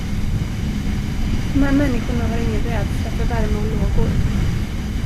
De här människrona har ingen rädsla för värme och lågor.